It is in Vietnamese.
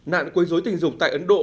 nạn quấy rối tình dục tại ấn độ